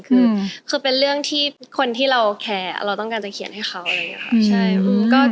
คือเป็นเรื่องที่คนที่เราแคร์เราต้องการจะเขียนให้เขาอะไรอย่างนี้ค่ะ